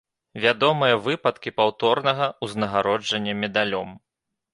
Вядомыя выпадкі паўторнага ўзнагароджання медалём.